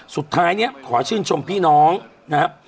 สุดท้ายเนี่ยขอชื่นชมพี่น้องนะครับ